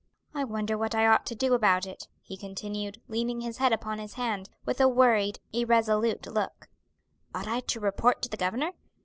"I wonder what I ought to do about it," he continued, leaning his head upon his hand, with a worried, irresolute look; "ought I to report to the governor?